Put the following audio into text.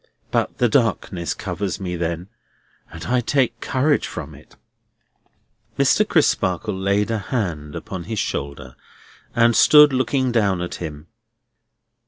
But the darkness covers me then, and I take courage from it." Mr. Crisparkle laid a hand upon his shoulder, and stood looking down at him.